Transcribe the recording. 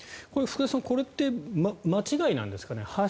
福田さん、これって間違いなんですかね？